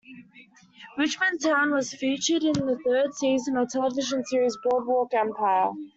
Richmond Town was featured in the third season of the television series Boardwalk Empire.